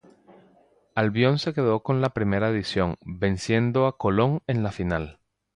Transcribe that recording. Albion se quedó con la primera edición, venciendo a Colón en la final.